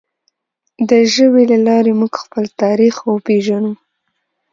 د ژبې له لارې موږ خپل تاریخ وپیژنو.